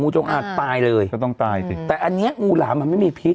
ซึ่งโชคดีทุกที่มันไม่มีพิษ